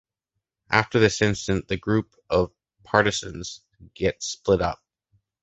After this incident, the group of partisans gets split up.